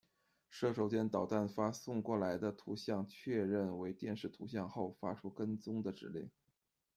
射手将导弹发送过来的图像确认为电视图像以后，发出跟踪的指令。